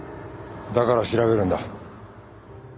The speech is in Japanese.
だから調べるんだ。